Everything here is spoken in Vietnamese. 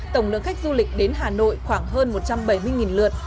tổng lượng khách du lịch đến hà nội khoảng hơn một trăm bảy mươi lượt